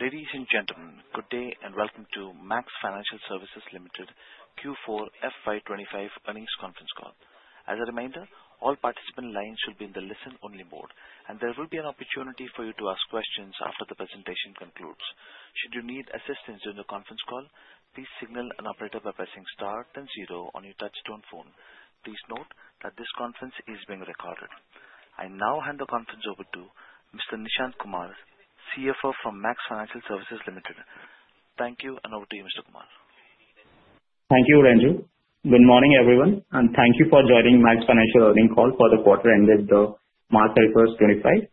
Ladies and gentlemen, good day and Welcome to Max Financial Services Limited Q4 FY 2025 earnings conference call. As a reminder, all participant lines should. Be in the listen only mode. And there will be an opportunity for you to ask questions after the presentation concludes. Should you need assistance during the conference call, please signal an operator by pressing star then zero on your touch-tone phone. Please note that this conference is being recorded. I now hand the conference over to Mr. Nishant Kumar, CFO from Max Financial Services Limited. Thank you. And over to you, Mr. Kumar. Thank you, Ranju. Good morning, everyone, and thank you for joining the Max Financial earnings call for the quarter ended March 31, 2025.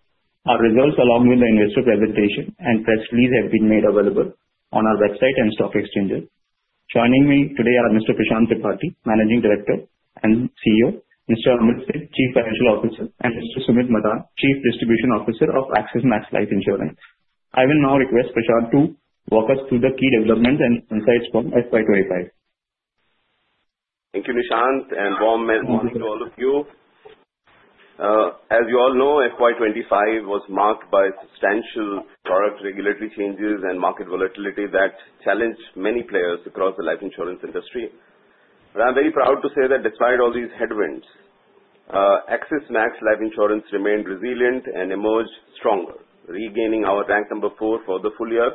Our results along with the investor presentation. Press release have been made available. On our website and stock exchanges. Joining me today are Mr. Prashant Tripathy. Managing Director and CEO. Mr. Amrit Singh, Chief Financial Officer and Mr. Sumit Madan, Chief Distribution Officer of Axis Max Life Insurance. I will now request Prashant to walk. you through the key developments and insights from FY 2025. Thank you, Nishant. Good morning to all of you. As you all know, FY 2025 was marked by substantial product regulatory changes and market volatility that challenged many players across the life insurance industry. But I'm very proud to say that despite all these headwinds, Axis Max Life Insurance remained resilient and emerged stronger. We regained our rank number four for the full year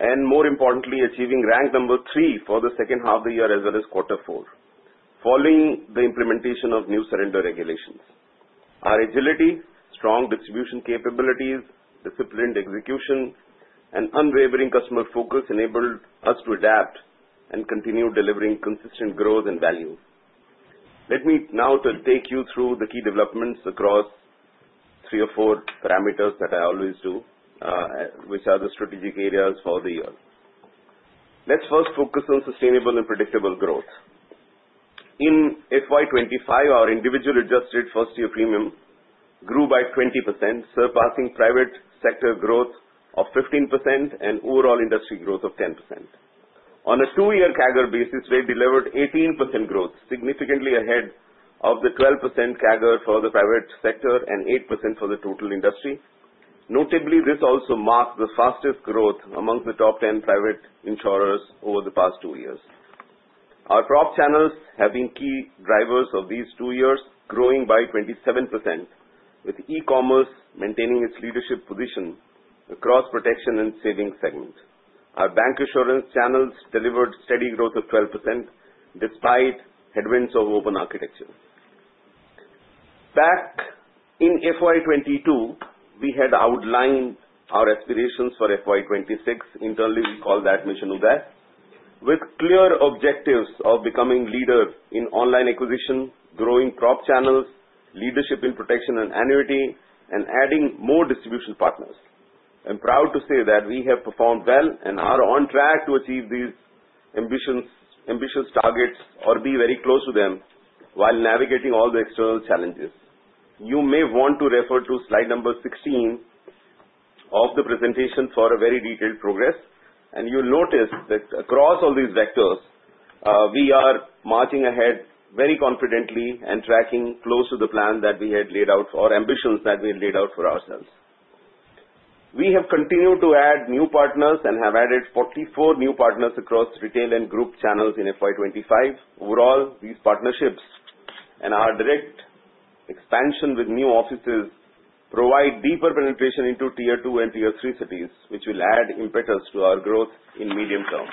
and more importantly achieved rank number three for the second half of the year as well as quarter four following the implementation of new surrender regulations. Our agility, strong distribution capabilities, disciplined execution and unwavering customer focus enabled us to adapt and continue delivering consistent growth and value. Let me now take you through the key developments across three or four parameters that I always do which are the strategic areas for the year. Let's first focus on sustainable and predictable growth. In FY 2025, our individual adjusted first year premium grew by 20% surpassing private sector growth of 15% and overall industry growth of 10%. On a two year CAGR basis, they delivered 18% growth. Significantly ahead of the 12% CAGR for the private sector and 8% for the total industry. Notably, this also marks the fastest growth among the top 10 private insurers over the past two years. Our Prop channels have been key drivers of these two years, growing by 27%. With e-commerce maintaining its leadership position across protection and savings segments. Our bancassurance channels delivered steady growth of 12% despite headwinds of open architecture. Back in FY 2022, we had outlined our aspirations for FY 2026. Internally we call that Mission Uday with clear objectives of becoming leader in online acquisition, growing core channels, leadership in protection and annuity and adding more distribution partners. I'm proud to say that we have performed well and are on track to achieve these ambitious targets or be very close to them while navigating all the external challenges. You may want to refer to slide number 16 of the presentation for a very detailed progress and you'll notice that across all these vectors we are marching ahead very confidently and tracking close to the plan that we had laid out or ambitions that we laid out for ourselves. We have continued to add new partners and have added 44 new partners across retail and group channels in FY 2025. Overall, these partnerships and our direct expansion with new offices provide deeper penetration into Tier 2 and Tier 3 cities which will add impetus to our growth in medium term.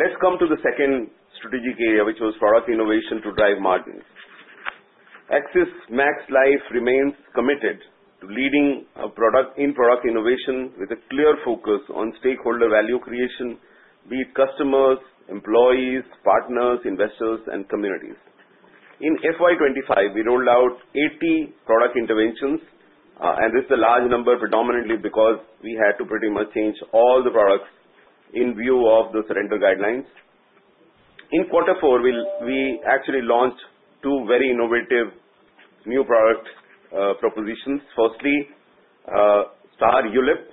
Let's come to the second strategic area which was Product Innovation to drive margins. Axis Max Life remains committed to leading in product innovation with a clear focus on stakeholder value creation be it customers, employees, partners, investors and communities. In FY 2025 we rolled out 80 product interventions and this is a large number predominantly because we had to pretty much change all the products in view of the surrender guidelines. In quarter four we actually launched two very innovative new product propositions. Firstly, Star ULIP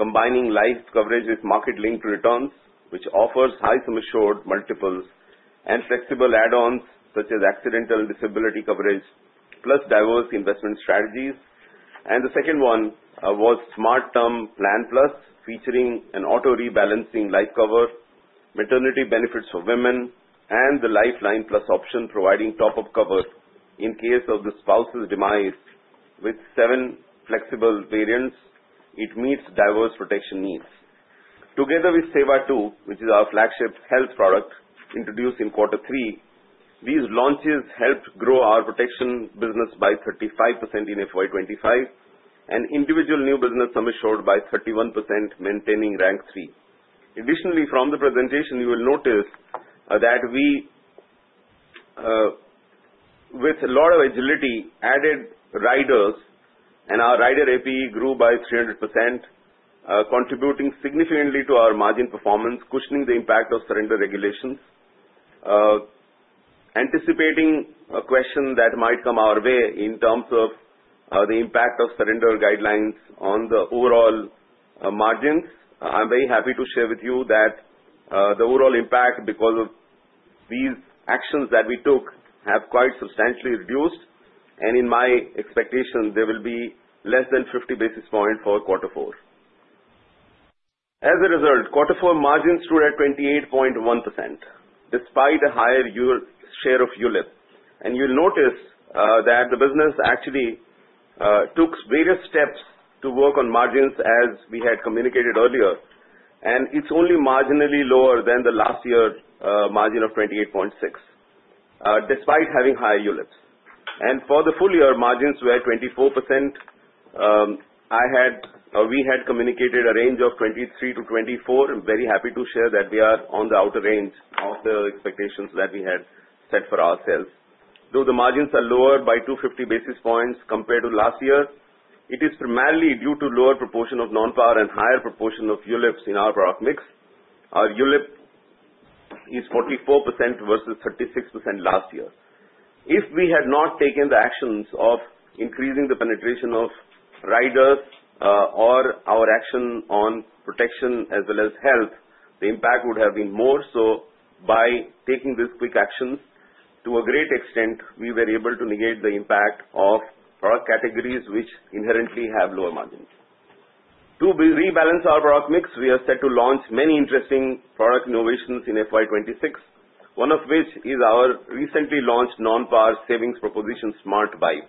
combining life coverage with market-linked returns which offers high multiple and flexible add-ons such as accidental disability coverage plus diverse investment strategies and the second one was Smart Term Plan Plus featuring an auto-rebalancing life cover, maternity benefits for women and the Lifeline Plus option providing top-up cover in case of the spouse's demise. With seven flexible variants it meets diverse protection needs. Together with SEWA 2.0 which is our flagship health product introduced in quarter three, these launches helped grow our protection business by 35% in FY 2025 and individual new business premium showed by 31% maintaining rank three. Additionally from the presentation you will notice that we with a lot of agility added riders and our rider APE grew by 300% contributing significantly to our margin performance cushioning the impact of Surrender regulations. Anticipating a question that might come our way in terms of the impact of Surrender guidelines on the overall margins, I'm very happy to share with you that the overall impact because of these actions that we took have quite substantially reduced and in my expectation they will be less than 50 basis points for quarter four. As a result, quarter four margins stood at 28.1% despite a higher share of ULIP and you'll notice that the business actually took various steps to work on margins as we had communicated earlier and it's only marginally lower than the last year margin of 28.6%. Despite having higher ULIPs and for the full year margins were 24% we had communicated a range of 23%-24%. Very happy to share that we are on the outer range of the expectations that we had set for ourselves. Though the margins are lower by 250 basis points compared to last year, it is primarily due to lower proportion of non-par and higher proportion of ULIPs in our product mix. Our ULIP is 44% versus 36% last year. If we had not taken the actions of increasing the penetration of riders or our action on protection as well as health, the impact would have been more so. By taking these quick actions to a great extent we were able to negate the impact of product categories which inherently have lower margins to rebalance our product mix. We are set to launch many interesting product innovations in FY 2026, one of which is our recently launched non-par savings proposition Smart Buy.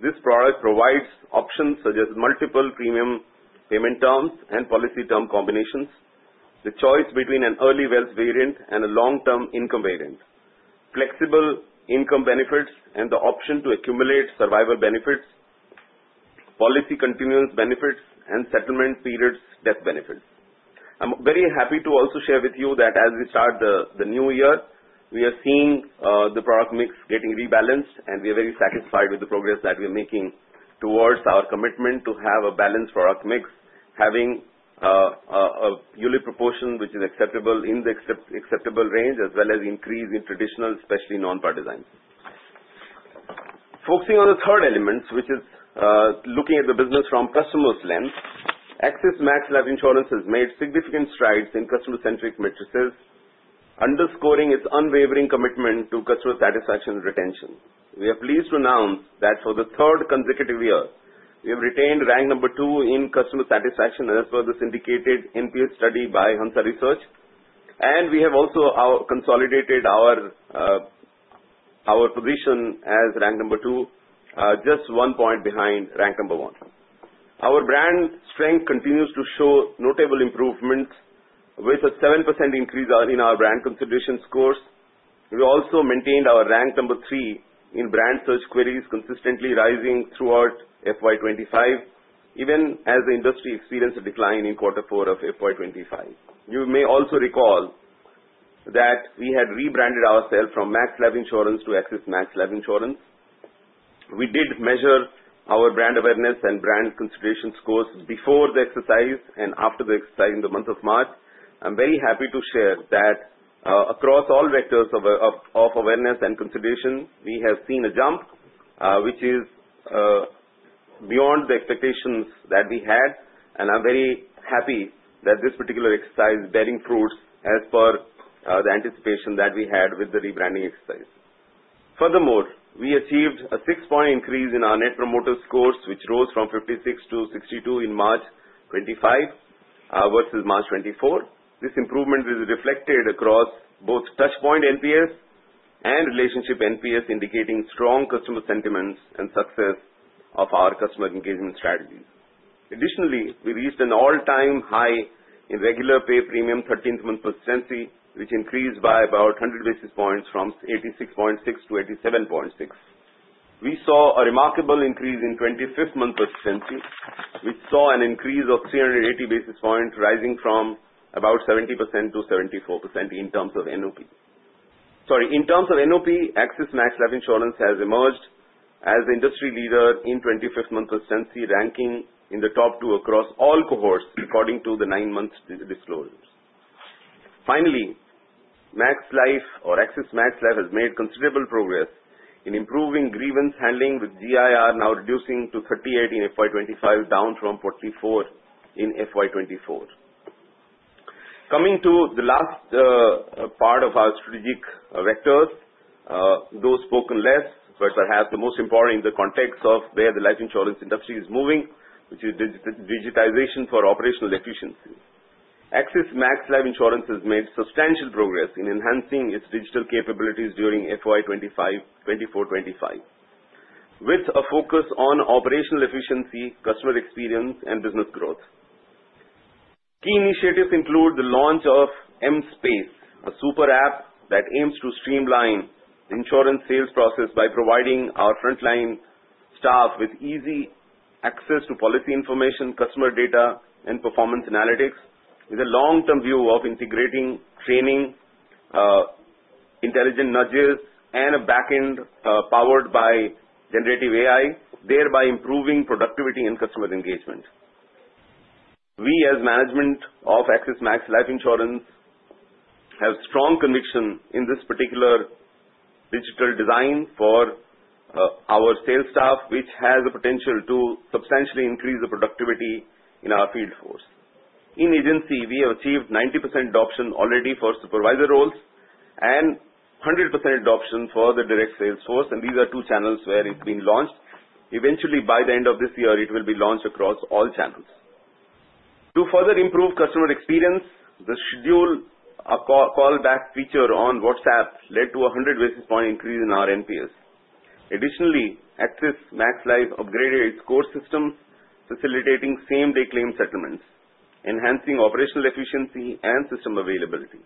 This product provides options such as multiple premium payment terms and policy term combinations, the choice between an early wealth variant and a long term income variant, flexible income benefits and the option to accumulate survival benefits, policy continuance benefits and settlement periods death benefits. I'm very happy to also share with you that as we start the new year we are seeing the product mix getting rebalanced and we are very satisfied with the progress that we are making towards our commitment to have a balanced product mix having a unit proportion which is acceptable in the acceptable range as well as increase in traditional specialty non-participating focusing on the third element which is looking at the business from customer's lens. Axis Max Life Insurance has made significant strides in customer-centric metrics underscoring its unwavering commitment to customer satisfaction and retention. We are pleased to announce that for the third consecutive year we have retained rank No. 2 in customer satisfaction as per the syndicated NPS study by Hansa Research and we have also consolidated our position as ranked No. 2 just one point behind rank No. 1. Our brand strength continues to show notable improvement with a 7% increase in our brand consideration scores. We also maintained our rank No. 3 in brand search queries, consistently rising throughout FY 2025 even as the industry experienced a decline in quarter four of FY 2025. You may also recall that we had rebranded ourselves from Max Life Insurance to Axis Max Life Insurance. We did measure our brand awareness and brand consideration scores before the exercise and after the exercise in the month of March. I'm very happy to share that across all vectors of awareness and consideration we have seen a jump which is beyond the expectations that we had and I'm very happy that this particular exercise is bearing fruit as per the anticipation that we had with the rebranding exercise. Furthermore, we achieved a six-point increase in our Net Promoter Scores which rose from 56 to 62 in March 2025 versus March 2024. This improvement is reflected across both Touchpoint NPS and Relationship NPS indicating strong customer sentiments and success of our customer engagement strategies. Additionally, we reached an all-time high in regular-pay premium 13-month persistency which increased by about 100 basis points from 86.6 to 87.6. We saw a remarkable increase in 25th month persistency which saw an increase of 380 basis points rising from about 70% to 74%. In terms of NPS, Max Life Insurance has emerged as the industry leader in 25th month persistency ranking in the top two across all cohorts according to the nine-month disclosures. Finally, Max Life or Axis Max Life has made considerable progress in improving grievance handling with GIR now reducing to 38 in FY 2025 down from 44 in FY 2024. Coming to the last part of our strategic vectors, those spoken less but perhaps the most important in the context of where the life insurance industry is moving, which is digitization for operational efficiency, Axis Max Life Insurance has made substantial progress in enhancing its digital capabilities during FY 2024-2025 with a focus on operational efficiency, customer experience, and business growth. Key initiatives include the launch of mSpace, a super app that aims to streamline the insurance sales process by providing our frontline staff with easy access to policy information, customer data and performance analytics with a long term view of integrating training, intelligent nudges and a back end powered by generative AI, thereby improving productivity and customer engagement. We as management of Axis Max Life Insurance have strong conviction in this particular digital design for our sales staff which has the potential to substantially increase the productivity in our field force. In agency we have achieved 90% adoption already for supervisor roles and 100% adoption for the direct sales force and these are two channels where it's been launched. Eventually by the end of this year it will be launched across all channels to further improve customer experience. The scheduled callback feature on WhatsApp led to a 100 basis point increase in our NPS. Additionally, Axis Max Life upgraded its core system facilitating same-day claim settlements, enhancing operational efficiency and system availability.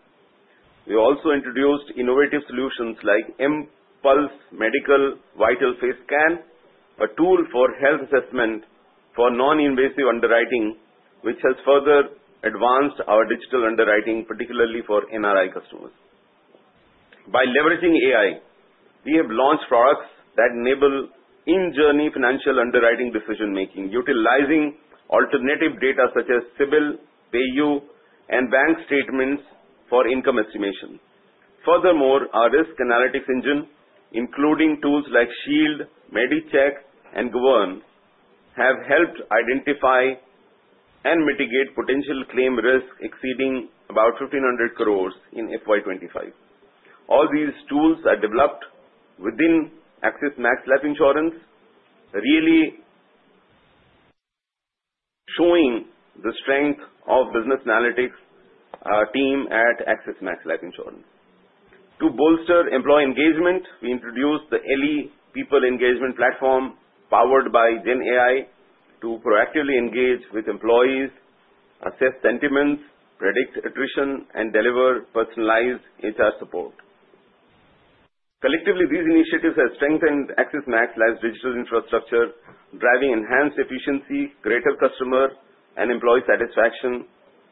We also introduced innovative solutions like mPulse Medical Vital Face Scan, a tool for health assessment for non-invasive underwriting which has further advanced our digital underwriting particularly for NRI customers. By leveraging AI, we have launched products that enable in-journey financial underwriting decision making utilizing alternative data such as CIBIL, PayU and bank statements for income estimation. Furthermore, our risk analytics engine including tools like Shield, MediCheck and Govern have helped identify and mitigate potential claim risk exceeding about 1,500 crores in FY 2025. All these tools are developed within Axis Max Life Insurance, really showing the strength of business analytics team at Axis Max Life Insurance. To bolster employee engagement, we introduced the Ely People Engagement Platform powered by GenAI to proactively engage with employees, assess sentiments, predict attrition and deliver personalized HR support. Collectively, these initiatives have strengthened Axis Max Life's digital infrastructure, driving enhanced efficiency, greater customer and employee satisfaction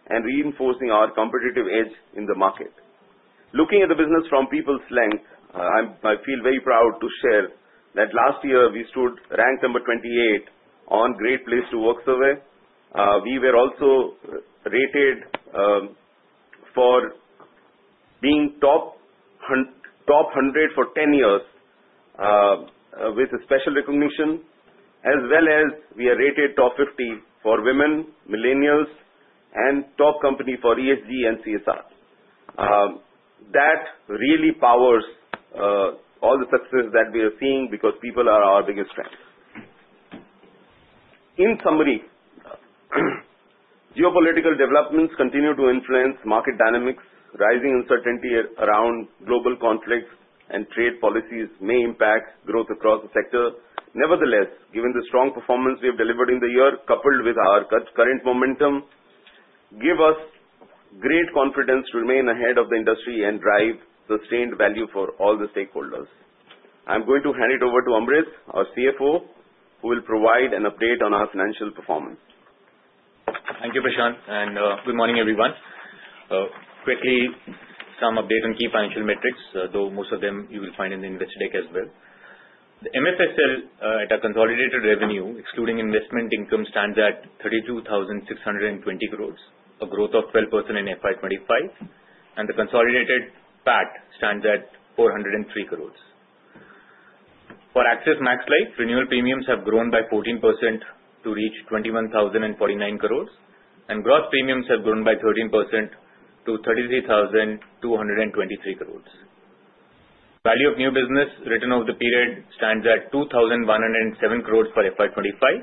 and reinforcing our competitive edge in the market. Looking at the business from people's lens, I feel very proud to share that last year we stood ranked No. 28 on Great Place to Work survey. We were also rated for being top 100 for 10 years with a special recognition as well as we are rated Top 50 for women millennials and top company for ESG and CSR. That really powers all the success that we are seeing because people are our biggest strength. In summary, geopolitical developments continue to influence market dynamics. Rising uncertainty around global conflicts and trade policies may impact growth across the sector. Nevertheless, given the strong performance we have delivered in the year coupled with our current momentum give us great confidence to remain ahead of the industry and drive sustained value for all the stakeholders. I'm going to hand it over to Amrit, our CFO who will provide an update on our financial performance. Thank you, Prashant, and good morning, everyone. Quickly some update on key financial metrics though most of them you will find in the investor deck as well. MFSL's consolidated revenue excluding investment income stands at 32,620 crore, a growth of 12% in FY 2025 and the consolidated PAT stands at 403 crores. For Axis Max Life renewal premiums have grown by 14% to reach 21,049 crores and gross premiums have grown by 13% to 33,223 crores. Value of new business written over the period stands at 2,107 crores for FY 2025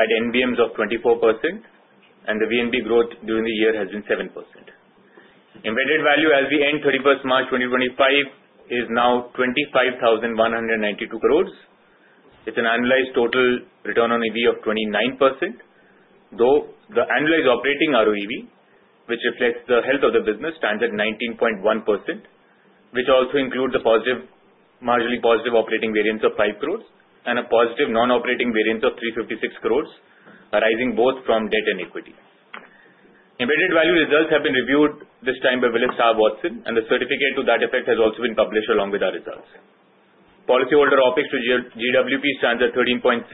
at NBMs of 24% and the VNB growth during the year has been 7%. Embedded value as of 31st March 2025 is now 25,192 crore with an annualized total return on EV of 29%. Though the annualized operating ROEV, which reflects the health of the business, stands at 19.1%, which also includes a positive marginally positive operating variance of 5 crores and a positive non-operating variance of 356 crores arising both from debt and equity embedded value. Results have been reviewed this time by Willis Towers Watson, and the certificate to that effect has also been published along with our results. Policyholder OpEx to GWP stands at 13.6%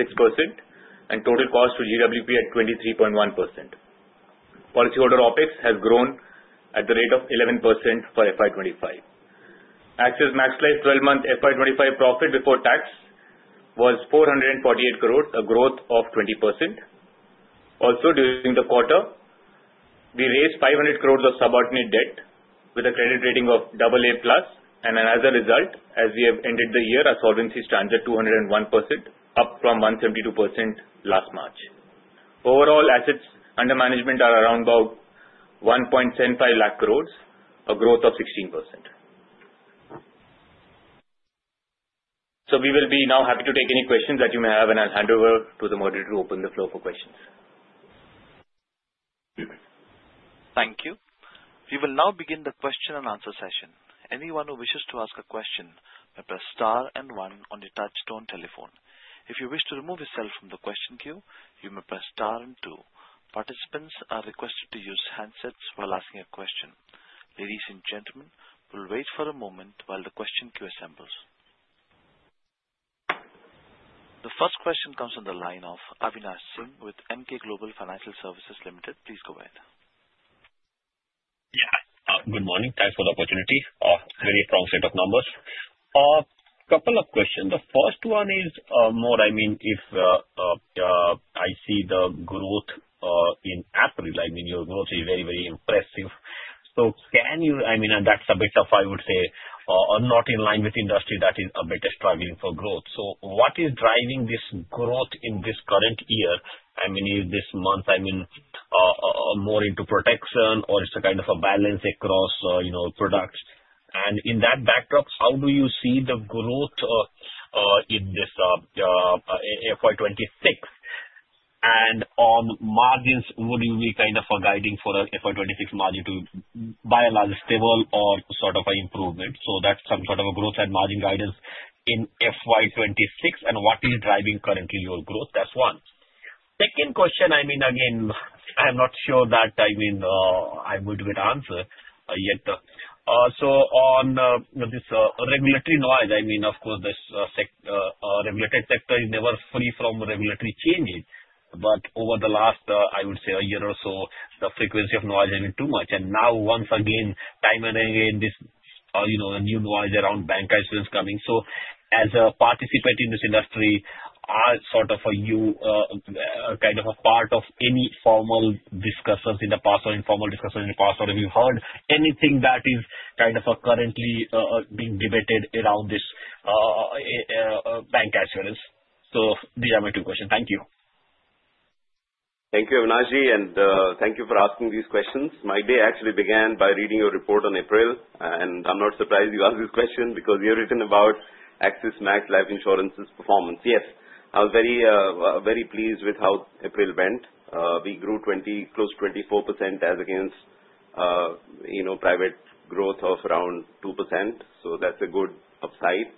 and total cost to GWP at 23.1%. Policyholder OpEx has grown at the rate of 11% for FY 2025. Axis Max Life's 12-month FY 2025 profit before tax was 448. crore, a growth of 20%. Also during the quarter we raised 500 crores of subordinate debt with a credit rating of AA+. And as a result as we have ended the year our solvency stands at 201% up from 172% last March. Overall assets under management are around about 1.75 lakh crores, a growth of 16%. So we will be now happy to take any questions that you may have and I'll hand over to the moderator. To open the floor for questions. Thank you. We will now begin the question and answer session. Anyone who wishes to ask a question may press STAR and one on your touch-tone telephone. If you wish to remove yourself from the question queue, you may press STAR and two. Participants are requested to use handsets while asking a question. Ladies and gentlemen, we will wait for a moment while the question queue assembles. The first question comes on the line of Avinash Singh with Emkay Global Financial Services Ltd. Please go ahead. Good morning, thanks for the opportunity. Very strong set of numbers. Couple of questions. The first one is more. I mean, if I see the growth in APE, I mean your growth is very, very impressive. So, can you? I mean, that's a bit of – I would say not in line with industry, that is a bit better struggling for growth. So what is driving this growth in current year? I mean this month, more into protection or it's a kind of a balance across, you know, products. And in that backdrop, how do you see the growth in this FY 2026 and on margins? Would you be kind of guiding for FY 2026 margin to be largely stable or sort of improvement? So that's some sort of a growth. Margin guidance in FY 2026 and what is driving currently your growth? That's the second question. I mean, again, I'm not sure that I'm going to get an answer yet. So on this regulatory noise, I mean, of course this regulated sector is never free from regulatory changes, but over the last, I would say, a year or so, the frequency of noise has been too much. And now once again, time and again, this, you know, new noise around bancassurance is coming. So as a participant in this industry, are you sort of a part of any formal discussions in the past or informal. Discussion in the past or have you? Heard anything that is kind of currently being debated around this bank as well? So these are my two questions. Thank you. Thank you Avinash Singh and thank you for asking these questions. My day actually began by reading your report on April and I'm not surprised you asked this question because you've written about Axis Max Life Insurance's performance. Yes, I was very pleased with how April went. We grew close to 24% as against private growth of around 2%. So that's a good upside.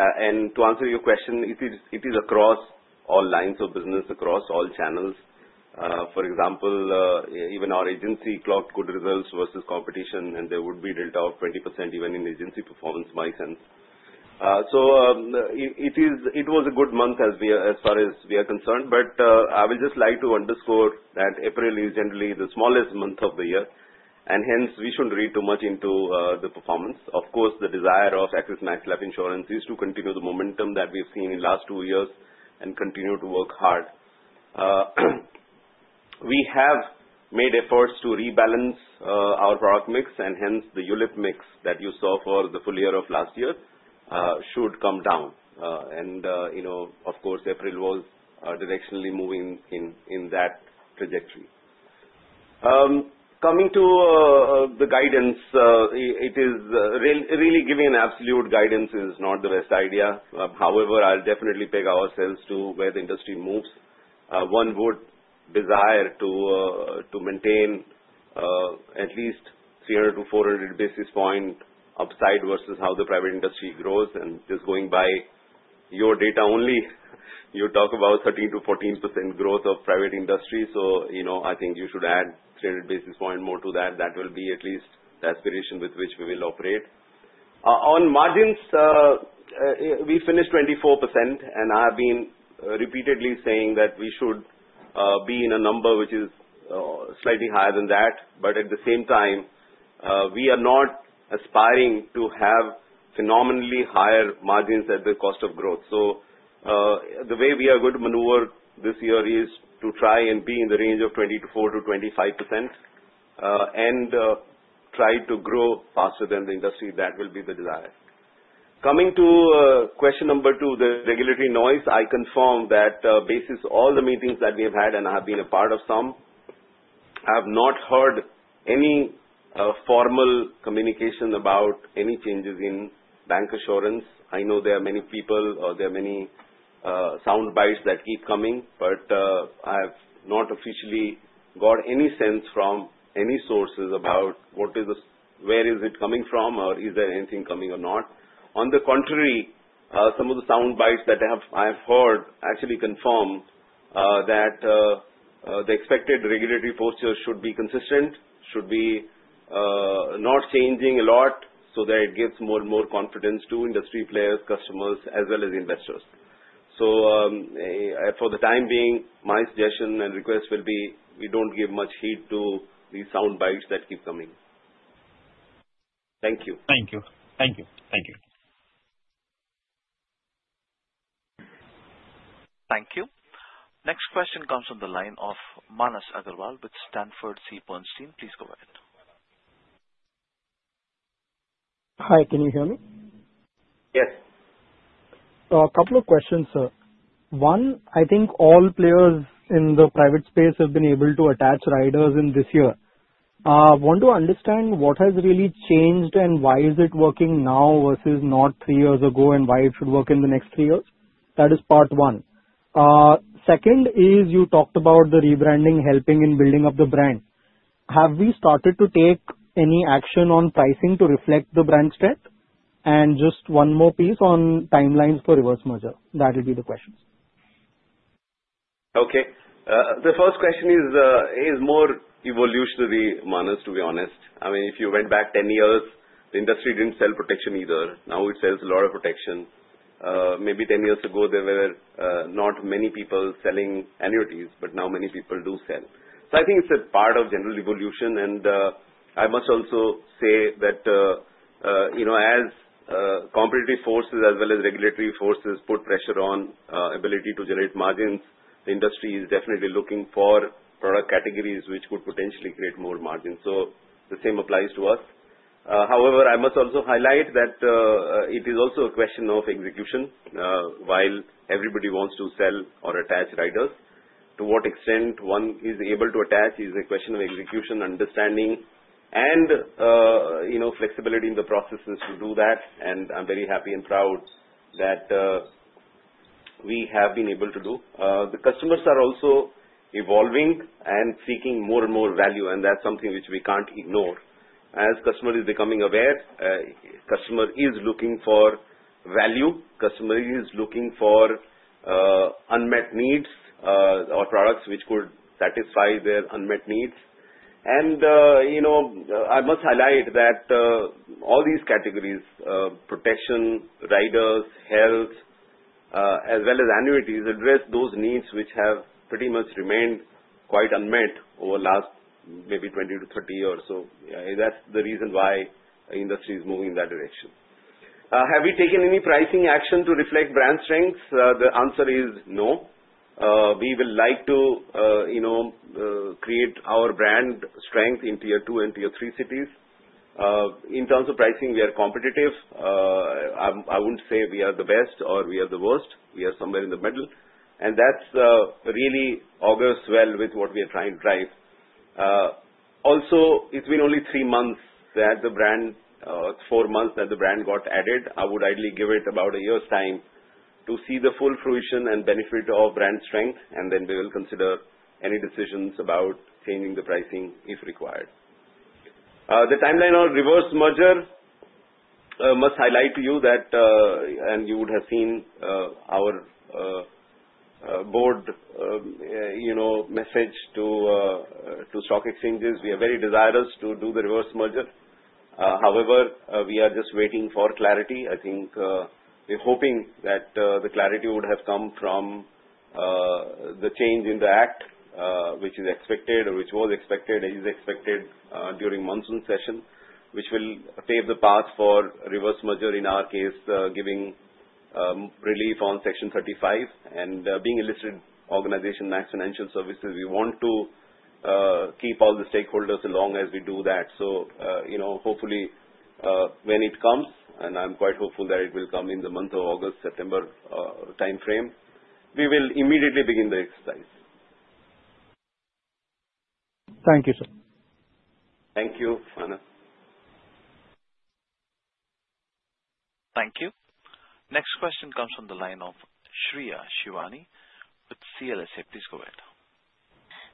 And to answer your question, it is across all lines of business, across all channels. For example, even our agency clocked good results versus competition and there would be delta of 20% even in agency performance, my sense. So it was a good month as far as we are concerned. But I would just like to underscore that April is generally the smallest month of the year and hence we shouldn't read too much into the performance. Of course, the desire of Axis Max Life Insurance is to continue the momentum that we have seen in last two years and continue to work hard. We have made efforts to rebalance our product mix and hence the ULIP mix that you saw for the full year of last year should come down. Of course, April was directionally moving in that trajectory. Coming to the guidance, it is really giving an absolute guidance is not the best idea. However, I will definitely peg ourselves to where the industry moves. One would desire to maintain at least 300-400 basis points upside versus how the private industry grows. Just going by your data only, you talk about 13%-14% growth of private industry. I think you should add 300 basis points more to that. That will be at least the aspiration with which we will operate on margins. We finished 24% and I have been repeatedly saying that we should be in a number which is slightly higher than that. But at the same time we are not aspiring to have phenomenally higher margins at the cost of growth. So the way we are going to maneuver this year is to try and be in the range of 24%-25% and try to grow faster than the industry. That will be the desire. Coming to question number two, the regulatory noise, I confirm that basis. All the meetings that we have had and I have been a part of some, I have not heard any formal communication about any changes in bancassurance. I know there are many people or there are many sound bites that keep coming, but I have not officially got any sense from any sources about what is, where is it coming from or is there anything coming or not. On the contrary, some of the sound bites that I have heard actually confirm that the expected regulatory posture should be consistent, should be not changing a lot so that it gives more and more confidence to industry players, customers as well as investors. So for the time being, my suggestion and request will be we don't give much heed to the sound bites that keep coming. Thank you. Thank you. Thank you. Thank you. Thank you. Next question comes from the line of Manas Agrawal with Sanford C. Bernstein. Please go ahead. Hi, can you hear me? Yes. A couple of questions, sir. One, I think all players in the private space have been able to attach riders in this year want to understand what has really changed and why is it working now versus not three years ago and why it should work in the next three years. That is part one. Second is you talked about the rebranding. Helping in building up the brand. Have we started to take any action on pricing to reflect the brand switch? And just one more piece on timelines? For Reverse Merger, that will be the questions. Okay. The first question is more evolutionary, Manas, to be honest. I mean, if you went back 10 years, the industry didn't sell protection either. Now it sells a lot of protection. Maybe 10 years ago there were not many people selling annuities, but now many people do sell. So I think it's a part of general evolution, and I must also say that as competitive forces as well as regulatory forces put pressure on ability to generate margins, the industry is definitely looking for product categories which could potentially create more margins. So the same applies to us. However, I must also highlight that it is also a question of execution. While everybody wants to sell or attach riders, to what extent one is able to attach is a question of execution, understanding and flexibility in the processes to do that. I'm very happy and proud that we have been able to do. The customers are also evolving and seeking more and more value. That's something which we can't ignore as customer is becoming aware, customer is looking for value, customer is looking for unmet needs or products which could satisfy their unmet needs. You know I must highlight that all these categories, protection, riders, health as well as annuities address those needs which have pretty much remained quite unmet over last maybe 20-30 years. That's the reason why industry is moving in that direction. Have we taken any pricing action to reflect brand strength? The answer is no. No. We would like to create our brand strength in Tier 2 and Tier 3 cities. In terms of pricing, we are competitive. I wouldn't say we are the best or we are the worst. We are somewhere in the middle and that's really augurs well with what we are trying to drive. Also it's been only three or four months that the brand got added. I would ideally give it about a year's time to see the full fruition and benefit of brand strength and then we will consider any decisions about changing the pricing if required. The timeline on Reverse Merger must highlight to you that and you would have seen our board message to stock exchanges. We are very desirous to do the Reverse Merger. However we are just waiting for clarity. I think we are hoping that the clarity would have come from the change in the act which is expected or which was expected is expected during monsoon session which will pave the path for reverse merger. In our case giving relief on Section 35 and being a listed organization, Max Financial Services, we want to keep all the stakeholders along as we do that. So you know, hopefully when it comes and I'm quite hopeful that it will come in the month of August, September time frame. We will immediately begin the exercise. Thank you sir. Thank you Anand. Thank you. Next question comes from the line of Shreya Shivani with CLSA. Please go ahead.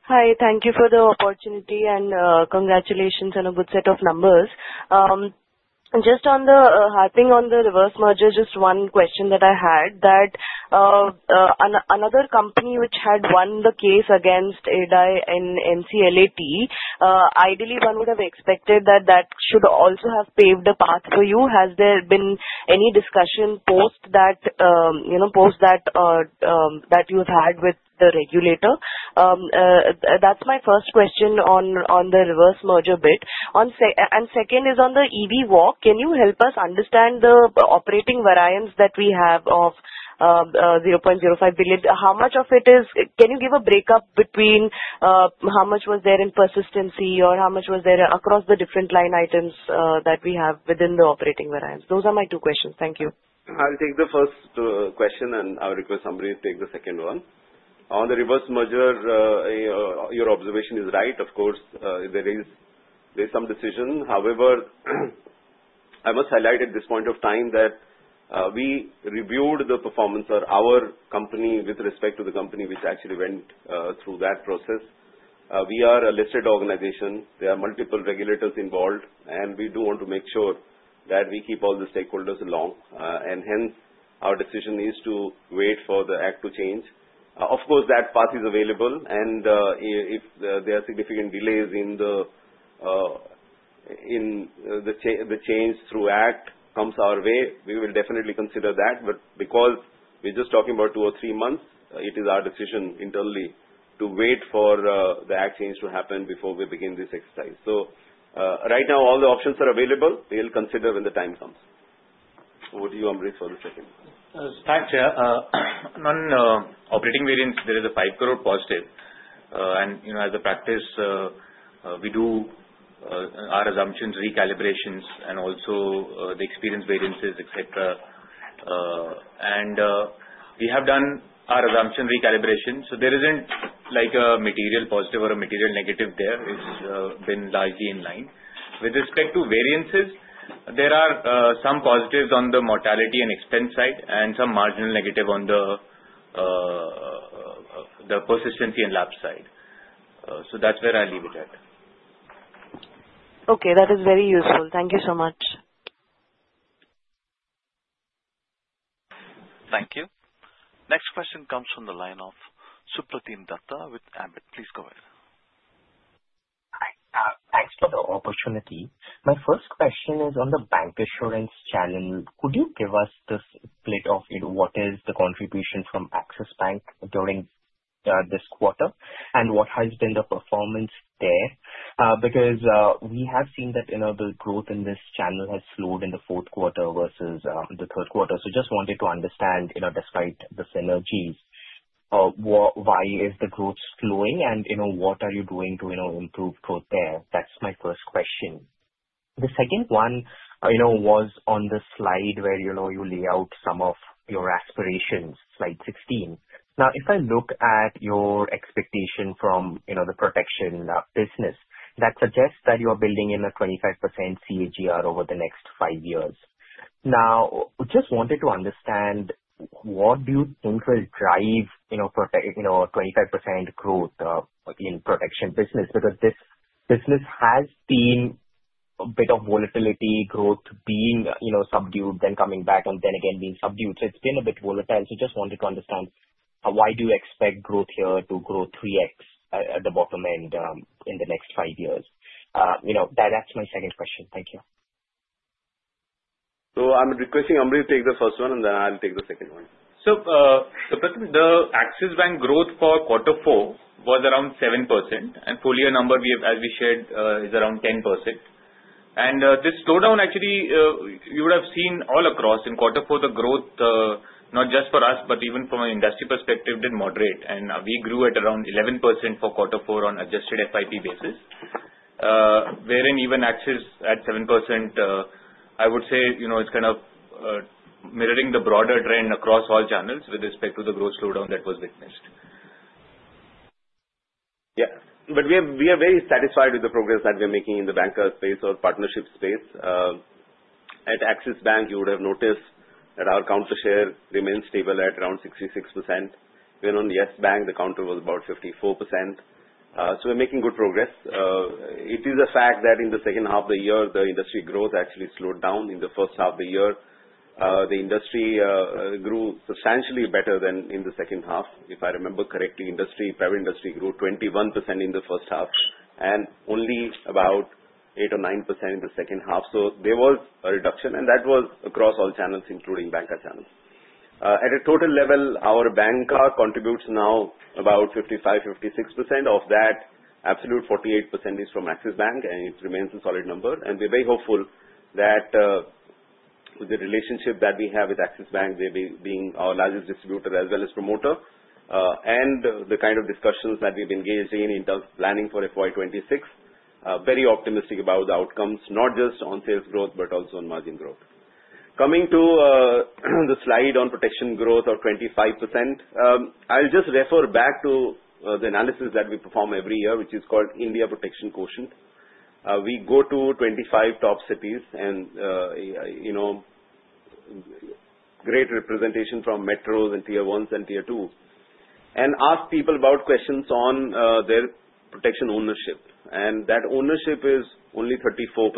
Hi. Thank you for the opportunity and congratulations on a good set of numbers. Just on the harping on the reverse merger. Just one question that I had that another company which had won the case against IRDAI in NCLT ideally one would have expected that that should also have paved the path for you. Has there been any discussion post that you know post that you've had with the regulator? That's my first question on the reverse merger bit and second is on the EV walk. Can you help us understand operating variance that we have of 0.05 billion? How much of it is can you give a breakup between how much was there in persistency or how much was there across the different line items that we have within the operating variance. Those are my two questions. Thank you. I will take the first question and I would request somebody to take the second one on the reverse merger. Your observation is right. Of course there is, there's some decision. However, I must highlight at this point of time that we reviewed the performance of our company with respect to the company which actually went through that process. We are a listed organization, there are multiple regulators involved and we do want to make sure that we keep all the stakeholders along, and hence our decision is to wait for the act to change. Of course that path is available and if there are significant delays in the change through Act comes our way, we will definitely consider that, but because we're just talking about two or three months, it is our decision internally to wait for the act change to happen before we begin this exercise. So right now all the options are available. We'll consider when the time comes over to you, Amrit. For the second. Operating Variance there is an 5 crore positive, and you know as a practice we do our assumptions, recalibrations and also the experience variances, etc., and we have done our assumption recalibration, so there isn't like a material positive or a material negative there. It's been largely in line with respect to variances. There are some positives on the mortality and expense side and some marginal negative on the persistency and lapse side, so that's where I leave it at. Okay, that is very useful. Thank you so much. Thank you. Next question comes from the line of Supratim Datta with Ambit. Please go ahead. Thanks for the opportunity. My first question is on the bancassurance channel. Could you give us this split of what is the contribution from Axis Bank during this quarter and what has been the performance there? Because we have seen that the growth. In this channel has slowed in the. Fourth quarter versus the third quarter. So just wanted to understand, despite the synergies, why is the growth slowing and. What are you doing to improve growth there? That's my first question. The second one was on the slide where you lay out some of your aspirations. Slide 16. Now if I look at your expectation from the protection business that suggests that you are building in a 25% CAGR over the next five years. Now just wanted to understand what do. You think will drive 25% growth? Because this business has seen a bit. Of volatility growth being subdued then coming. Back and then again being subdued. So it's been a bit volatile. So just wanted to understand why do? You expect growth here to grow 3x. At the bottom end in the next five years. That's my second question. Thank you. So, I'm requesting Amrit to take the first one, and then I'll take the second one. So Pratham, the Axis Bank growth for quarter four was around 7% and full year number as we shared is around 10%. And this slowdown actually you would have seen all across in quarter four, the growth not just for us but even from an industry perspective did moderate and we grew at around 11% for quarter four on adjusted FYP basis wherein even Axis at 7%. I would say it's kind of mirroring the broader trend across all channels with respect to the growth slowdown. That was the. Yes, but we are very satisfied with the progress that we are making in the banca space or partnership space at Axis Bank. You would have noticed that our counter share remains stable at around 66% when on Yes Bank the counter was about 54%. So we are making good progress. It is a fact that in the second half of the year the industry growth actually slowed down. In the first half of the year the industry grew substantially better than in the second half. If I remember correctly, private industry grew 21% in the first half and only about 8%-9% in the second half. So there was a reduction and that was across all channels, including banca channels. At a total level our banca contributes now about 55%-56% of that absolute 48% is from Axis Bank and it remains a solid number. We're very hopeful that the relationship that we have with Axis Bank being our largest distributor as well as promoter and the kind of discussions that we've engaged in in terms of planning for FY 2026, very optimistic about the outcomes not just on sales growth but also on margin growth coming to the slide on protection growth of 25%. I'll just refer back to the analysis that we perform every year, which is called India Protection Quotient. We go to 25 top cities and you know, great representation from metros and Tier 1 and Tier 2 and ask people about questions on their protection ownership and that ownership is only 34%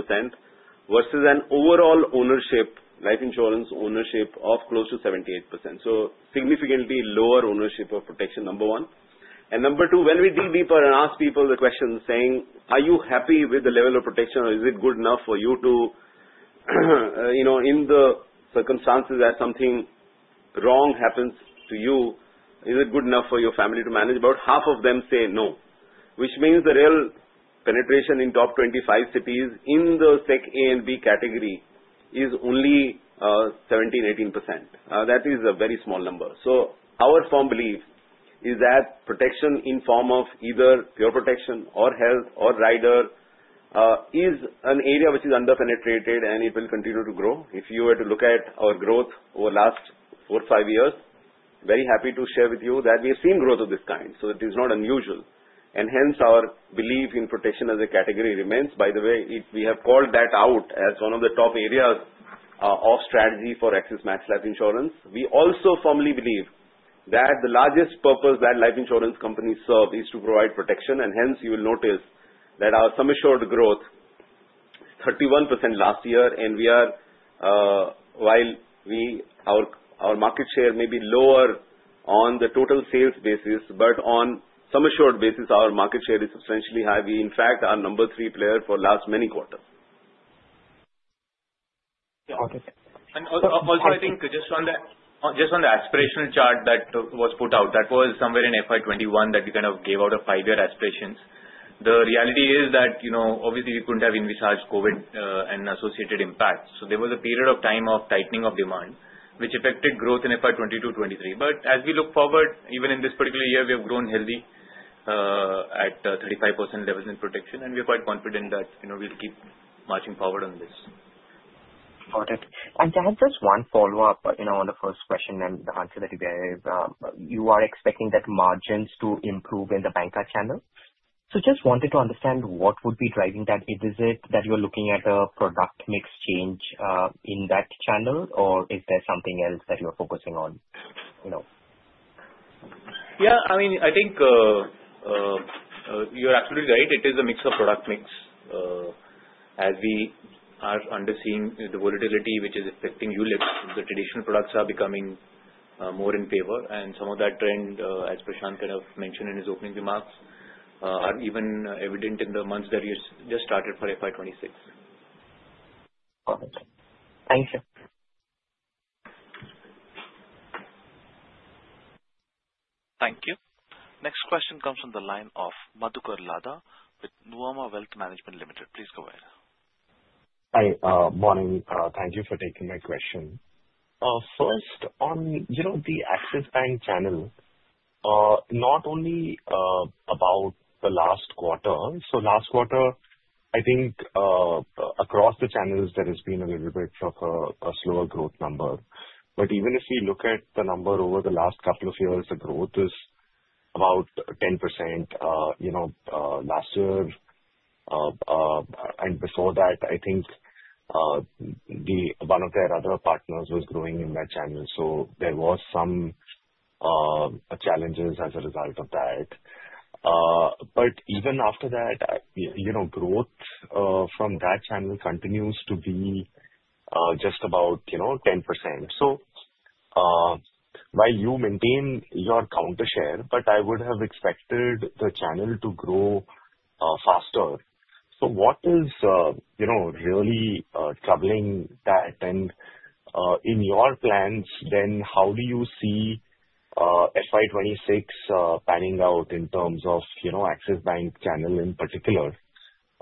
versus an overall ownership, life insurance ownership of close to 78%. So significantly lower ownership of protection, number one. And number two, when we dig deeper and ask people the question saying, are you happy with the level of protection or is it good enough for you to, you know, in the circumstances that something wrong happens to you, is it good enough for your family to manage? About half of them say no. Which means the real penetration in top 25 cities in the SEC A and B category is only 17%-18%. That is a very small number. So our firm belief is that protection in form of either pure protection or health or rider is an area which is under penetrated and it will continue to grow. If you were to look at our growth over last four, five years, very happy to share with you that we have seen growth of this kind. So it is not unusual and hence our belief in protection as a category remains. By the way, we have called that out as one of the top areas of strategy for Axis Max Life Insurance. We also firmly believe that the largest purpose that life insurance companies serve is to provide protection. And hence you will notice that our sum assured growth 31% last year and we are, while our market share may be lower on the total sales basis but on sum assured basis our market share is substantially high. We in fact are number three player for last many quarters. Also, I think just on the aspirational chart that was put out, that was somewhere in FY 2021 that we kind of gave out a five-year aspirations. The reality is that, you know, obviously we couldn't have envisaged COVID and associated impacts. So there was a period of time of tightening of demand which affected growth in FY2022-2023. But as we look forward, even in this particular year we have grown healthy at 35% levels in protection and we are quite confident that we'll keep marching forward on this. Got it. I have just one follow up on the first question and the answer that you gave. You are expecting that margins to improve in the bancassurance channel. So just wanted to understand what would be driving that. Is it that you're looking at a product mix change in that channel or is there something else that you're focusing on? Yeah, I mean I think you're absolutely right. It is a mix of product mix. As we are witnessing the volatility which is affecting ULIPs, the traditional products are becoming more in favor. And some of that trend as Prashant kind of mentioned in his opening remarks are even evident in the months that you just started for FY 2026. Thank you. Thank you. Next question comes from the line of Madhukar Ladha with Nuvama Wealth Management Limited. Please go ahead. Hi. Morning. Thank you for taking my question first on the Axis Bank channel. Not only about the last quarter. So last quarter I think across the channels there has been a little bit of a slower growth number. But even if we look at the. Number over the last couple of years, the growth is about 10%, you know. Last year. Before that I think the one of their other partners was growing in that channel. So there was some challenges as a result of that. But even after that, you know, growth from that channel continues to be just about, you know, 10%. So while you maintain your market share. But I would have expected the channel to grow faster. So what is, you know, really troubling that and in your plans then how do you see FY 2026 panning out in terms of, you know, Axis Bank channel in particular,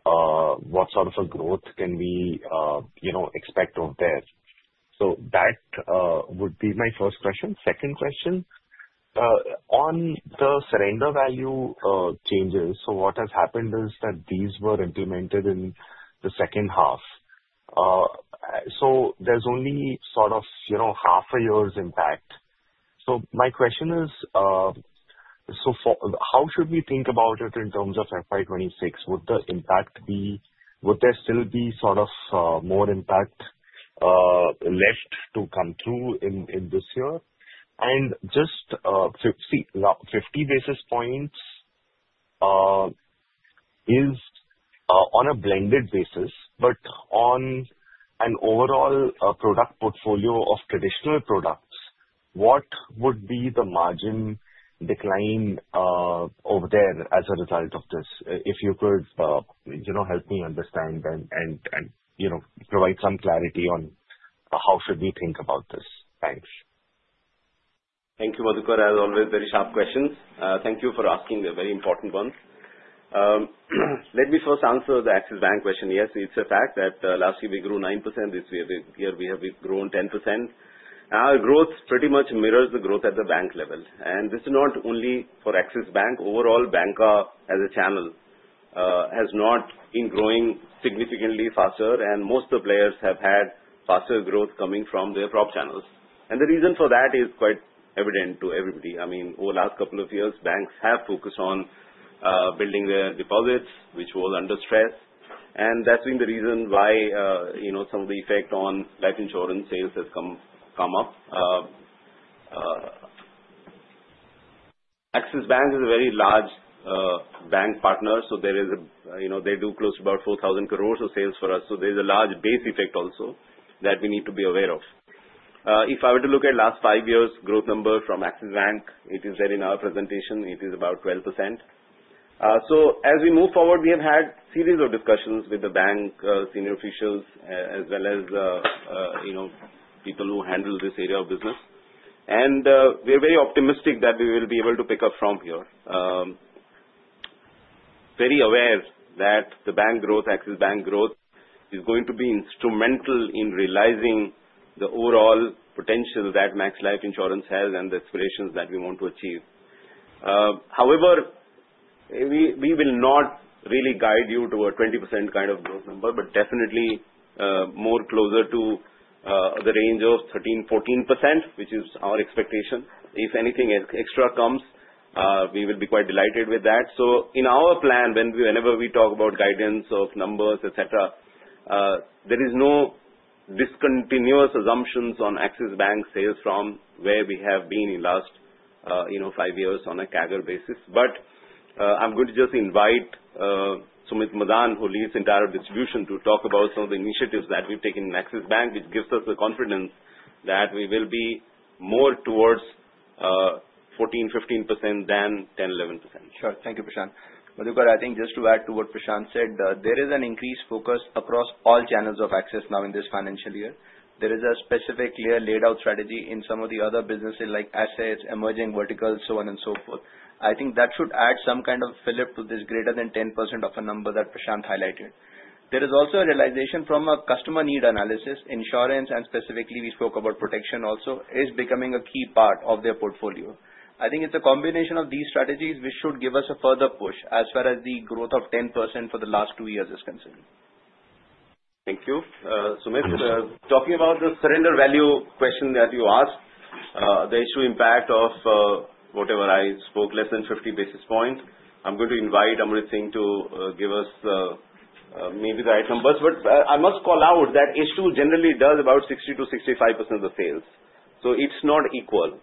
what sort of a growth can we expect over there? So that would be my first question. Second question on the surrender value changes. So what has happened is that these were implemented in the second half. So there's only sort of half a year's impact. My question is, so how should we think about it in terms of FY 2026? Would there still be sort of more impact left to come through in this year? Just see 50 basis points. Is. On a blended basis but on an overall product portfolio of traditional products, what would be the margin decline over there as a result of this? If you could help me understand and provide some clarity on how should we think about this? Thanks. Thank you, Madhukar. As always, very sharp questions. Thank you for asking the very important ones. Let me first answer the Axis Bank question. Yes, it's a fact that last year we grew 9%. This year we have grown 10%. Our growth pretty much mirrors the growth at the bank level, and this is not only for Axis Bank. Overall banca as a channel has not been growing significantly faster, and most of the players have had faster growth coming from their Prop channels, and the reason for that is quite evident to everybody. I mean over last couple of years banks have focused on building their deposits which was under stress, and that's been the reason why some of the effect on life insurance sales has come up. Axis Bank is a very large bank partner. So there is a, you know, they do close to about 4,000 crores of sales for us. So there's a large base effect also that we need to be aware of. If I were to look at last five years growth number from Axis Bank, it is there in our presentation it is about 12%. So as we move forward, we have had series of discussions with the bank senior officials as well as people who handle this area of business. And we are very optimistic that we will be able to pick up from. Here. very aware that the bank growth, Axis Bank growth, is going to be instrumental in realizing the overall potential that Max Life Insurance has and the aspirations that we want to achieve. However, we will not really guide you to a 20% kind of growth number but definitely more closer to the range of 13%-14% which is our expectation. If anything extra comes, we will be quite delighted with that. So in our plan, whenever we talk about guidance of numbers etc. There is no discontinuous assumptions on Axis Bank sales from where we have been in last five years on a CAGR basis. But I'm going to just invite Sumit Madan who leads our distribution to talk about some of the initiatives that we've taken in Axis Bank which gives us the confidence that we will be more towards 14%-15% than 10%-11%. Sure. Thank you. I think just to add to what Prashant said, there is an increased focus across all channels of access now in this financial year. There is a specific clear laid out strategy in some of the other businesses like assets, emerging verticals, so on and so forth. I think that should add some kind of fillip to this greater than 10% of a number that Prashant highlighted. There is also a realization from a customer need analysis insurance and specifically we spoke about protection also is becoming a key part of their portfolio. I think it's a combination of these strategies which should give us a further push as far as the growth of 10% for the last two years is concerned. Thank you Sumit. Talking about the surrender value question that you asked, the issue impact of whatever I spoke less than 50 basis points. I'm going to invite Amrit Singh to give us maybe the item. But I must call out that H2 generally does about 60%-65% of the sales. So it's not equal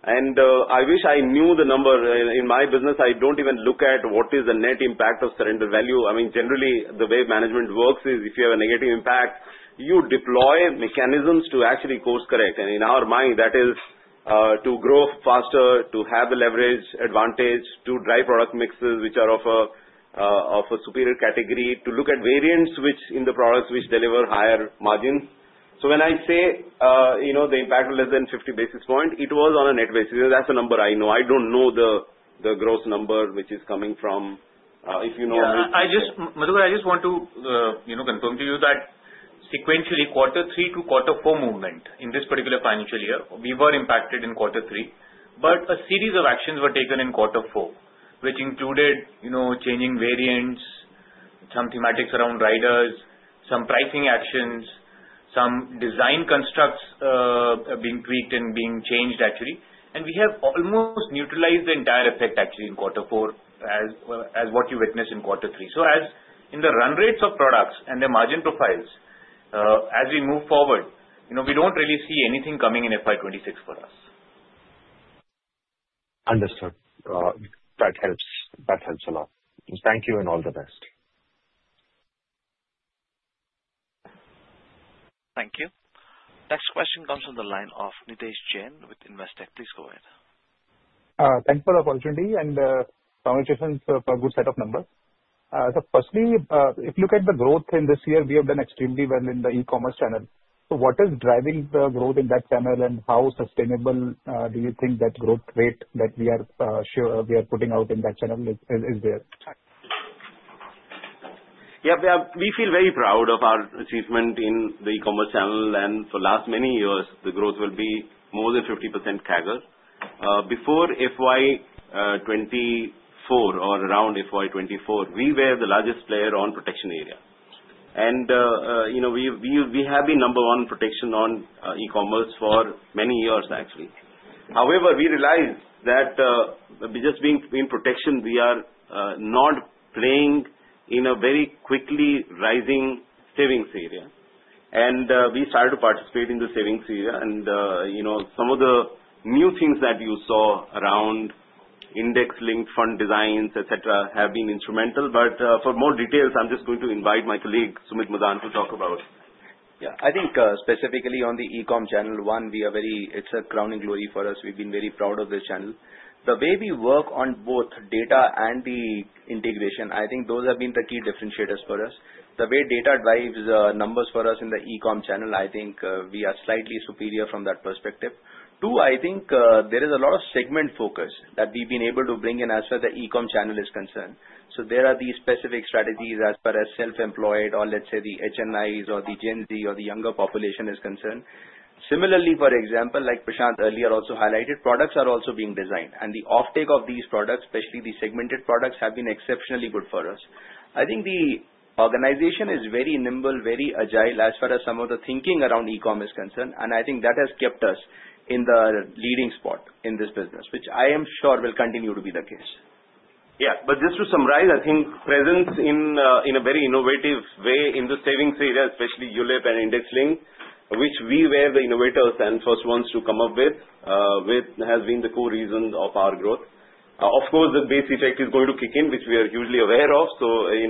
and I wish I knew the number in my business I don't even look at what is the net impact on. I mean generally the way management works is if you have a negative impact you deploy mechanisms to actually course correct and in our mind that is to grow faster, to have a leverage advantage to drive product mixes which are of a superior category to look at variants which in the products which deliver higher margins. When I say, you know, the impact of less than 50 basis points, it was on a net basis. That's the number I know. I don't know the gross number which is coming from, if you know, Madhukar. I just want to confirm to you that sequentially quarter three to quarter four movement in this particular financial year we were impacted in quarter three. But a series of actions were taken in quarter four which included changing variants, some thematics around riders, some pricing actions, some design constructs being tweaked and being changed actually and we have almost neutralized the entire effect actually in quarter four as what you witnessed in quarter three. So as in the run rates of products and their margin profiles as we move forward we don't really see anything coming in FY 2026 for us. Understood that helps a lot. Thank you and all the best. Thank you. Next question comes from the line of Nidhesh Jain with Investec. Please go ahead. Thanks for the opportunity, and communication is a good set of numbers. Firstly, if you look at the growth in this year, we have done extremely well in the e-commerce channel. So what is driving the growth in that channel, and how sustainable do you think that growth rate that we are sure we are putting out in that channel is there? Yes, we feel very proud of our achievement in the e-commerce channel and for last many years the growth will be more than 50% CAGR. Before FY 2024 or around FY 2024 we were the largest player on protection area and you know we have been number one protection on e-commerce for many years actually. However, we realized that just being in protection we are not playing in a very quickly rising savings area and we started to participate in the savings area and some of the new things that you saw around index link, fund designs et cetera have been instrumental. But for more details I'm just going to invite my colleague Sumit Madan to talk about. Yeah, I think specifically on the e-comm channel one, we are very. It's a crowning glory for us. We've been very proud of the channel. The way we work on both data and the integration. I think those have been the key differentiators for us. The way data drives numbers for us in the e-com channel, I think we are slightly superior from that perspective. Two, I think there is a lot of segment focus that we have been able to bring in as far as the e-comm channel is concerned. So there are these specific strategies as far as self-employed or let's say the HNIs or the Gen Z or the younger population is concerned. Similarly, for example, like Prashant earlier also highlighted, products are also being designed and the offtake of these products, especially the segmented products, have been exceptionally good for us. I think the organization is very nimble, very agile as far as some of the thinking around e-comm is concerned and I think that has kept us in the leading spot in this business which I am sure will continue to be the case. Yes. But just to summarize, I think presence in a very innovative way in the savings area, especially ULIP and index-linked which we were the innovators and first ones to come up with has been the core reason of our growth. Of course the base effect is going to kick in which we are hugely aware of. So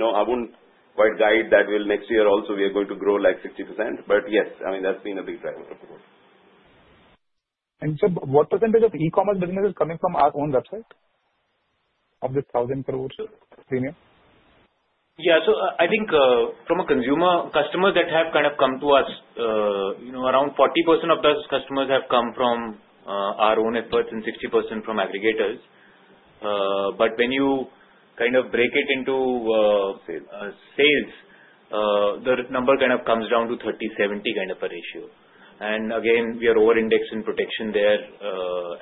I wouldn't quite guide that. Next year also we are going to grow like 60%. But yes, I mean that's been a big driver. What percentage of e-commerce business is coming from our own website of this thousand crore premium? Yeah, so I think from a consumer customer that have kind of come to us, you know, around 40% of those customers have come from our own efforts and 60% from aggregators. But when you kind of break it into sales, the number kind of comes down to 30%-70% kind of a ratio. And again, we are over indexed in protection there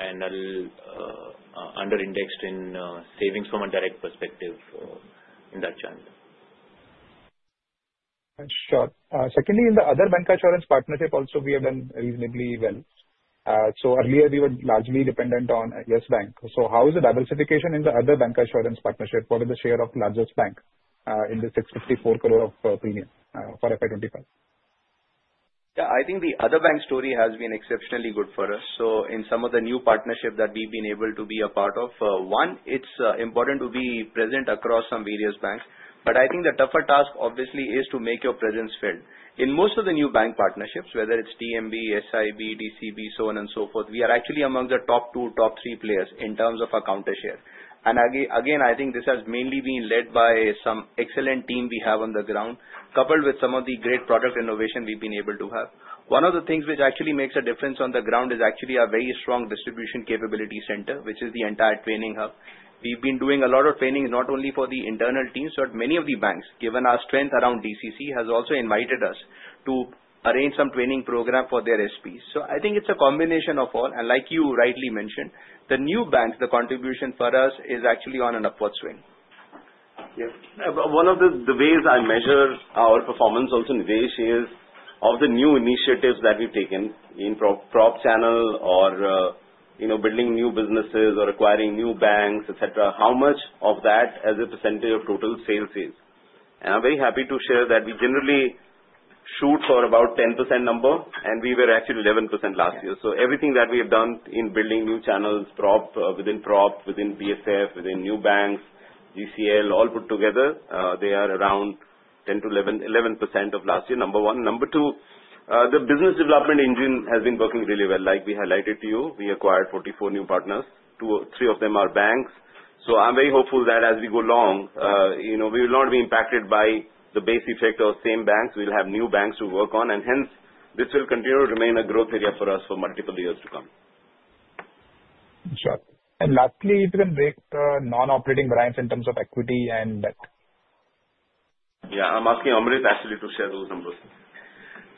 and under indexed in savings from a direct perspective in that channel. Sure. Secondly, in the other bancassurance partnership. Also we have done reasonably well. So earlier we were largely dependent on Yes Bank. So how is the diversification in the other bancassurance partnership? What is the share of largest bank in the 654 crore of premium for FY 2025? I think the other bank story has been exceptionally good for us. So in some of the new partnership that we've been able to be a part of one it's important to be present across some various banks. But I think the tougher task obviously is to make your presence felt in most of the new bank partnerships whether it's TMB, SIB, DCB, so on and so forth. We are actually among the Top 2, Top 3 players in terms of our counter share. And again I think this has mainly been led by some excellent team we have on the ground coupled with some of the great product innovation we've been able to have. One of the things which actually makes a difference on the ground is actually a very strong distribution capability center which is the entire training hub. We've been doing a lot of training not only for the internal teams but many of the banks. Given our strength around DCB has also invited us to arrange some training program for their SPs. So I think it's a combination of all, and like you rightly mentioned the new banks, the contribution for us is actually on an upward swing. One of the ways I measure our performance, also Nidhesh, is of the new initiatives that we've taken in Prop channel or building new businesses or acquiring new banks, et cetera. How much of that as a percentage of total sales fees, and I'm very happy to share that. We generally shoot for about 10% number and we were actually 11% last year. So everything that we have done in building new channels within Prop, within BSF, within new banks, GCL all put together, they are around 10%-11% of last year, number one. Number two, the business development engine has been working really well. Like we highlighted to you, we acquired 44 new partners. Two or three of them are banks. So I'm very hopeful that as we go along we will not be impacted by the base effect of same banks. We'll have new banks to work on and hence this will continue to remain a growth area for us for multiple years to come. Sure. Lastly, it will break non-operating variance in terms of equity and debt. Yes. I'm asking Amrit actually to share those numbers.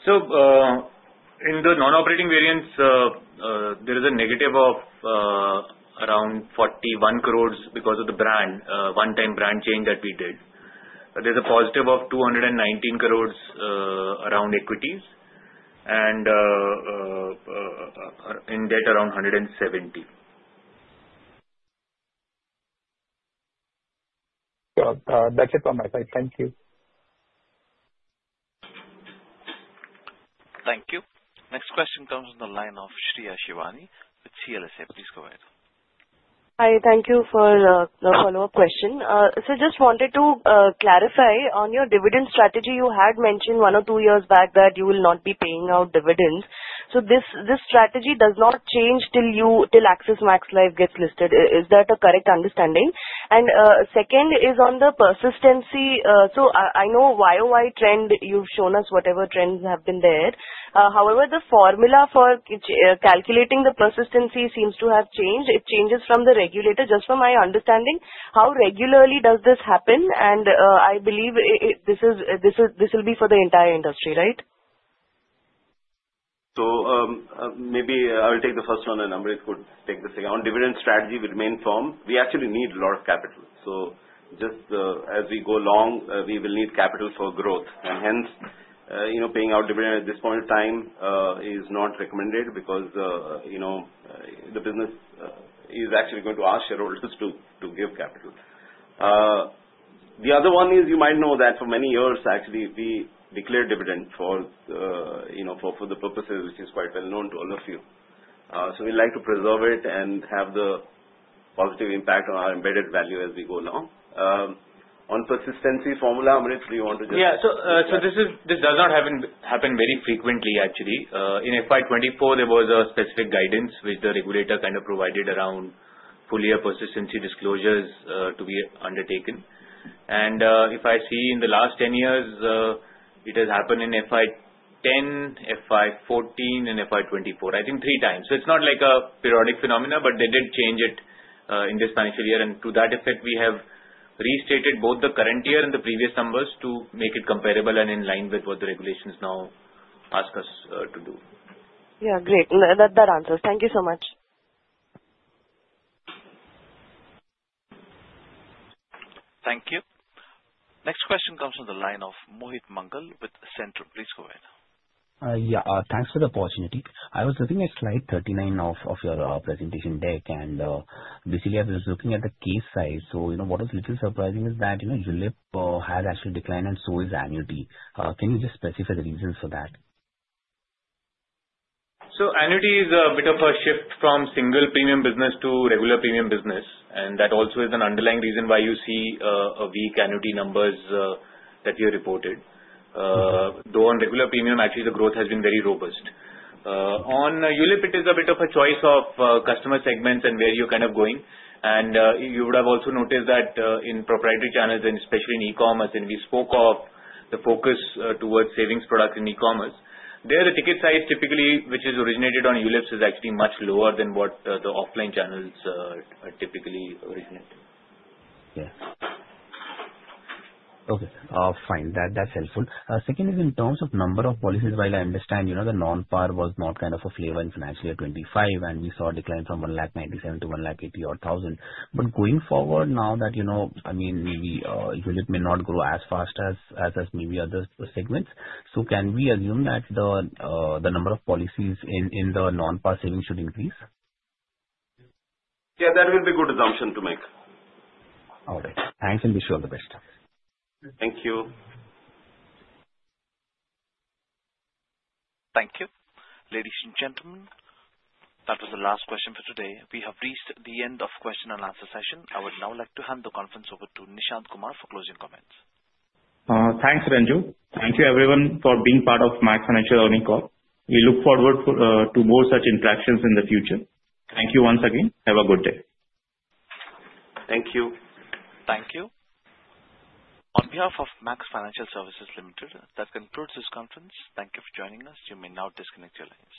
So, in the non-operating variance, there is a negative of around 41 crores because of the one-time brand change that we did. There's a positive of 219 crore around equities and in debt around 170. That's it from my side. Thank you. Thank you. Next question comes from the line of Shreya Shivani with CLSA. Please go ahead. Hi, thank you for the follow-up question. So just wanted to clarify on your dividend strategy you had mentioned one or two years back that you will not be paying out dividends. So this strategy does not change till Axis Max Life gets listed. Is that a correct understanding? And second is on the persistency. So I know YoY trend you've shown us, whatever trends have been there. However, the formula for calculating the persistency seems to have changed. It changes from the regulator. Just from my understanding how regularly does this happen? And I believe this will be for the entire industry. Right. So maybe I will take the first one and Amrit could take this account. Dividend strategy will remain firm. We actually need a lot of capital. So just as we go long we will need capital for growth and hence you know paying out dividend at this point of time is not recommended because you know the business is actually going to ask shareholders to give capital. The other one is you might know that for many years actually we declared dividend for the purposes which is quite well known to all of you. So we like to preserve it and have the positive impact on our embedded value as we go along on persistency formula. Amrit, do you want to just. Yeah. So this does not happen very frequently. Actually in FY 2024 there was a specific guidance which the regulator kind of provided around full year persistency disclosures to be undertaken. And if I see in the last 10 years it has happened in FY 2010, FY 2014 and FY 2024 I think three times. So it's not like a periodic phenomenon. But they did change it in this financial year. And to that effect we have restated both the current year and the previous numbers to make it comparable and in line with what the regulations now ask us to do. Yeah, great. That answers. Thank you so much. Thank you. Next question comes from the line of Mohit Mangal with Centrum. Please go ahead. Yeah, thanks for the opportunity. I was looking at slide 39 of your presentation deck and basically I was looking at the case size. So you know what is little surprising is that ULIP has actually declined and so is annuity. Can you just specify the reasons for that? So annuity is a bit of a shift from single premium business to regular premium business. And that also is an underlying reason why you see a weak annuity numbers that you reported though on regular premium. Actually the growth has been very robust. On ULIP it is a bit of a choice of customer segments and where you're kind of going. And you would have also noticed that in proprietary channels and especially in e-commerce and we spoke of the focus towards savings products in e-commerce there the ticket size typically which is originated on ULIPs is actually much less lower than what the offline channels typically originate. Yes. Okay, fine, that's helpful. Second is in terms of number of. Policies, while I understand you know the. Non-Par was not kind of a flavor in Financial Year 2025, and we saw a decline from 1 lakh 97 to 1 lakh 80 odd thousand. But going forward, now that you know, I mean unit may not grow as fast as maybe other segments. So can we assume that the number of policies in the Non-Par savings should increase? Yeah, that will be a good assumption to make. All right, thanks and wish you all the best. Thank you. Thank you ladies and gentlemen. That was the last question for today. We have reached the end of question and answer session. I would now like to hand the conference over to Nishant Kumar for closing comments. Thanks Ranju. Thank you everyone for being part of Max Financial's earnings call. We look forward to more such interactions in the future. Thank you once again. Have a good day. Thank you. Thank you on behalf of Max Financial Services Ltd. That concludes this conference. Thank you for joining us. You may now disconnect your lines.